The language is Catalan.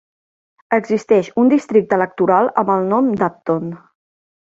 Existeix un districte electoral amb el nom d'Upton.